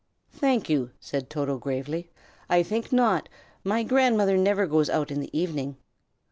"Thank you!" said Toto, gravely, "I think not. My grandmother never goes out in the evening."